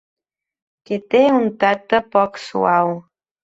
Que té un tacte poc suau.